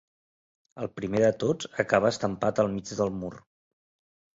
El primer de tots acaba estampat al mig del mur.